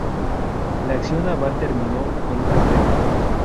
La acción naval terminó con una tregua.